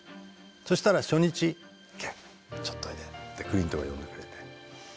そうしたら初日「ケンちょっとおいで」ってクリントが呼んでくれて。